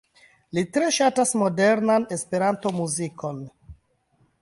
Li tre ŝatas modernan Esperanto-muzikon.